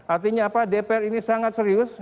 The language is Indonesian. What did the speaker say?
artinya apa dpr ini sangat serius